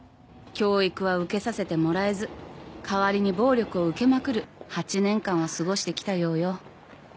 教育は受けさせてもらえず代わりに暴力を受けまくる８年間を過ごしてきたようよ。